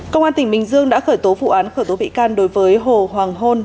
công an tỉnh bình dương đã khởi tố vụ án khởi tố bị can đối với hồ hoàng hôn